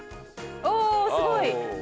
おおすごい！